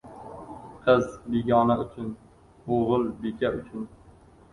• Qiz begona uchun, o‘g‘il beka uchun.